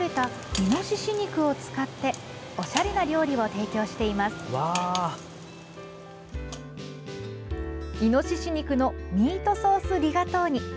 イノシシ肉のミートソース・リガトーニ。